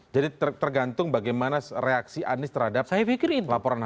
jadi tergantung bagaimana reaksi anis terhadap laporan hasil akhir ombusman